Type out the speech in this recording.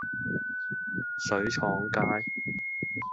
水廠街